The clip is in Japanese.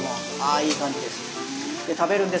いい感じです。